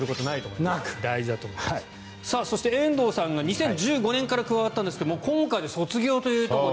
そして、遠藤さんが２０１５年から加わったんですが今回で卒業ということで。